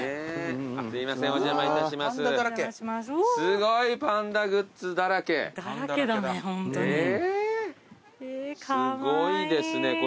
すごいですねこれ。